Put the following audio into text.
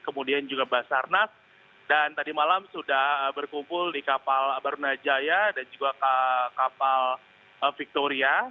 kemudian juga basarnas dan tadi malam sudah berkumpul di kapal barunajaya dan juga kapal victoria